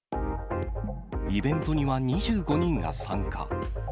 イベントには２５人が参加。